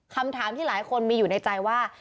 คำถามที่หลายคนมีอยู่ในใจว่า